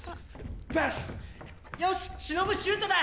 よし忍シュートだ！